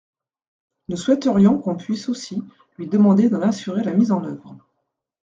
Nous souhaiterions qu’on puisse aussi lui demander d’en assurer la mise en œuvre.